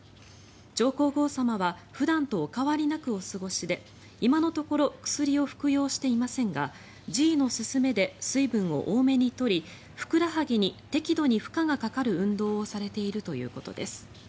上皇后さまは普段とお変わりなくお過ごしで今のところ薬を服用していませんが侍医の勧めで、水分を多めに取りふくらはぎに適度に負荷がかかる運動をされているということです。